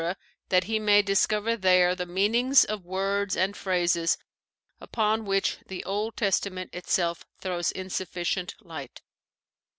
that he may discover there the meanings of words and phrases upon which the Old Testament itself throws insuffi cient light.